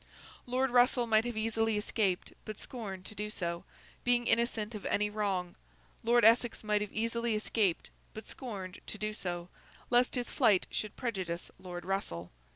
Lord Russell might have easily escaped, but scorned to do so, being innocent of any wrong; Lord Essex might have easily escaped, but scorned to do so, lest his flight should prejudice Lord Russell.